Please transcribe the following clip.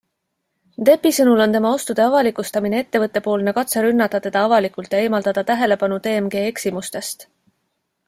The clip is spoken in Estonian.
Deppi sõnul on tema ostude avalikustamine ettevõttepoolne katse rünnata teda avalikult ja eemaldada tähelepanu TMG eksimustest.